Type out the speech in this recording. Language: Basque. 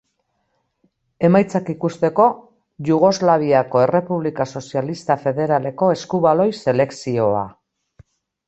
Emaitzak ikusteko: Jugoslaviako Errepublika Sozialista Federaleko Eskubaloi selekzioa.